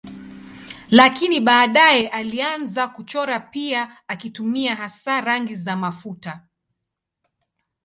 Lakini baadaye alianza kuchora pia akitumia hasa rangi za mafuta.